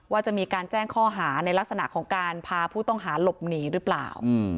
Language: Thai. ว่าจะมีการแจ้งข้อหาในลักษณะของการพาผู้ต้องหาหลบหนีหรือเปล่า